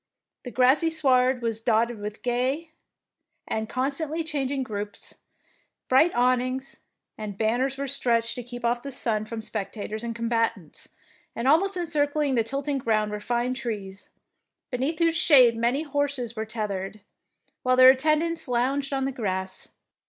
The grassy sward was dotted with gay and constantly changing groups, bright awn ings and banners were stretched to keep off the sun from spectators and combatants, and almost encircling the tilting ground were fine trees, beneath whose shade many horses were teth ered, while their attendants lounged on the grass.